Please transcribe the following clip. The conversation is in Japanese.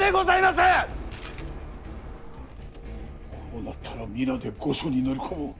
こうなったら皆で御所に乗り込もう。